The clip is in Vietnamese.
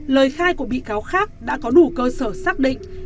lời khai của bị cáo khác đã có đủ cơ sở xác định